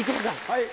はい。